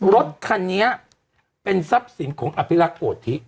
รถคันนี้เป็นทรัพย์สินของอภิรักษ์โกธิ